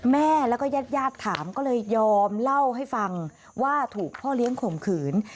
แม่แล้วก็ญาติญาติถามก็เลยยอมเล่าให้ฟังว่าถูกพ่อเลี้ยงข่มขืน